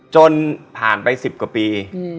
จนผ่านไป๑๐กว่าปี